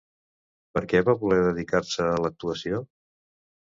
Per què va voler dedicar-se a l'actuació?